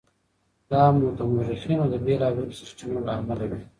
دا د مورخینو د بېلابېلو سرچینو له امله وي.